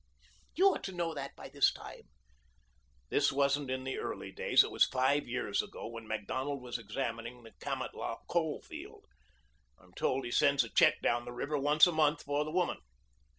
You ought to know that by this time." "This wasn't in the early days. It was five years ago, when Macdonald was examining the Kamatlah coal field. I'm told he sends a check down the river once a month for the woman."